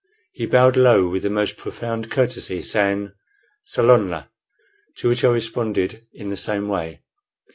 He bowed low with the most profound courtesy, saying, "Salonla," to which I responded in the same way.